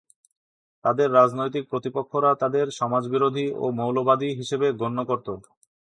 তাদের রাজনৈতিক প্রতিপক্ষরা তাদের সমাজবিরোধী ও মৌলবাদী হিসেবে গণ্য করত।